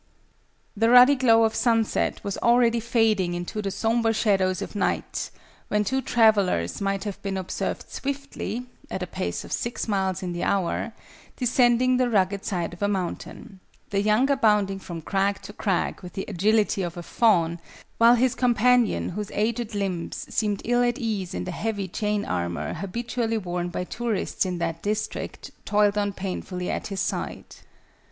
The ruddy glow of sunset was already fading into the sombre shadows of night, when two travellers might have been observed swiftly at a pace of six miles in the hour descending the rugged side of a mountain; the younger bounding from crag to crag with the agility of a fawn, while his companion, whose aged limbs seemed ill at ease in the heavy chain armour habitually worn by tourists in that district, toiled on painfully at his side.